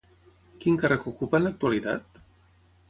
Quin càrrec ocupa en l'actualitat?